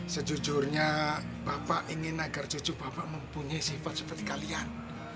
sejujurnya bapak ingin agar cucu bapak mempunyai sifat seperti kalian